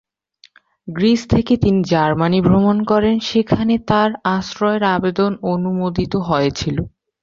Greece থেকে তিনি Germany ভ্রমণ করেন যেখানে তার আশ্রয়ের আবেদন অনুমোদিত হয়েছিল।